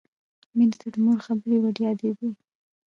مینې ته د مور خبرې وریادېدې